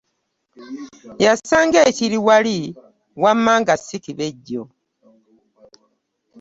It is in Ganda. Yasanga ekiri wali wamma nga si kibejjo.